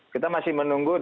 kita masih menunggu dari